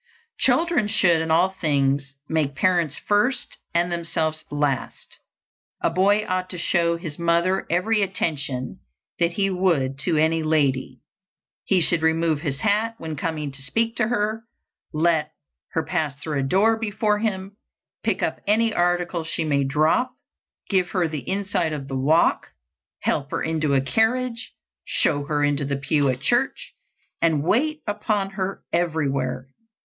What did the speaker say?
Children should in all things make parents first and themselves last. A boy ought to show his mother every attention that he would to any lady. He should remove his hat when coming to speak to her, let her pass through a door before him, pick up any article she may drop, give her the inside of the walk, help her into a carriage, show her into the pew at church, and wait upon her everywhere.